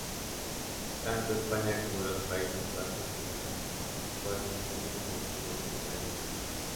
Tanto España como los Países Bajos dejaron guarniciones en los pueblos que habían tomado.